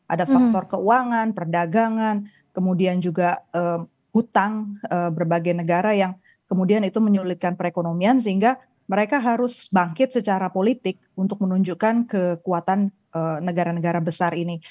ada faktor keuangan perdagangan kemudian juga hutang berbagai negara yang kemudian itu menyulitkan perekonomian sehingga mereka harus bangkit secara politik untuk menunjukkan kekuatan negara negara besar ini